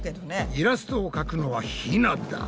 イラストを描くのはひなだ。